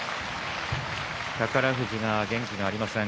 宝富士が元気がありません。